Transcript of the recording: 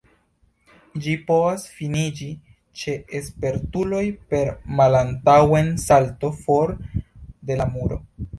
Ĝi povas finiĝi ĉe spertuloj per malantaŭen-salto for de la muro.